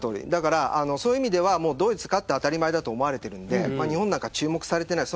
そういう意味ではドイツは勝って当たり前だと思われているので日本は注目されていない。